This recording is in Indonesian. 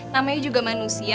namanya juga manusia